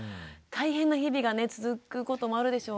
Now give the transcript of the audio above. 大変な日々が続くこともあるでしょうね。